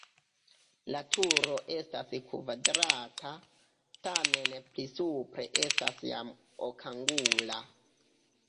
La turo estas kvadrata, tamen pli supre estas jam okangula.